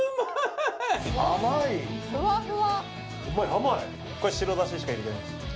甘いこれ白だししか入れてない